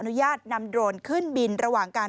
ญาตนำโดรนขึ้นบินระหว่างการ